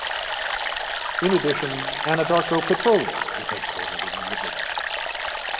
In addition, Anadarko Petroleum is headquartered in The Woodlands.